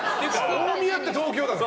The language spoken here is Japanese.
大宮って東京だから。